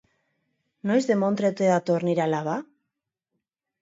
Noiz demontre ote dator nire alaba?